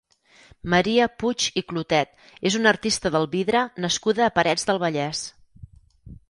Maria Puig i Clotet és una artista del vidre nascuda a Parets del Vallès.